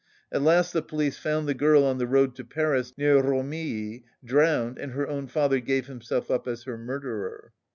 At last the police found the girl on the road to Paris, near Romilly, drowned, and her own father gave himself up as her murderer.